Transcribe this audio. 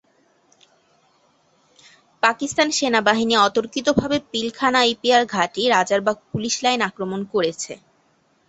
তবে, এ স্থানান্তর প্রক্রিয়া স্বল্পকালীন ছিল।